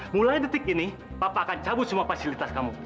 mulai detik ini papa akan cabut semua fasilitas kamu